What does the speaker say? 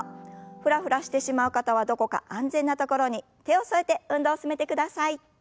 フラフラしてしまう方はどこか安全な所に手を添えて運動を進めてください。